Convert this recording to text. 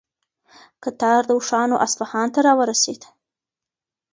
کتار د اوښانو اصفهان ته راورسېد.